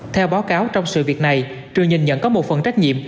theo báo cáo trong sự việc này trường nhìn nhận có một phần trách nhiệm